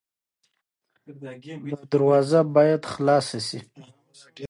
په بازار کې د توکو نه پلورل کېدل بله نښه ده